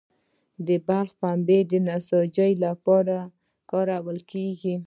د بلخ پنبه د نساجي لپاره کارول کیږي